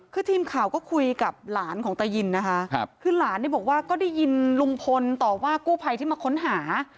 คือทีมข่าวก็คุยกับหลานของตายินนะคะคือหลานเนี่ยบอกว่าก็ได้ยินลุงพลต่อว่ากู้ภัยที่มาค้นหา